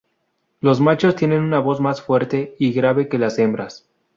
Los machos tienen una voz más fuerte y grave que las hembras.